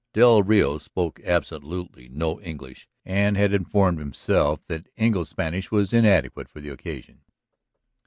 Del Rio spoke absolutely no English and had informed himself that Engle's Spanish was inadequate for the occasion.